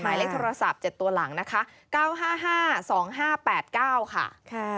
หมายเลขโทรศัพท์๗ตัวหลังนะคะ๙๕๕๒๕๘๙ค่ะ